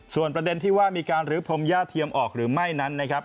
ส่วนประเด็นที่ว่ามีการลื้อพรมย่าเทียมออกหรือไม่นั้นนะครับ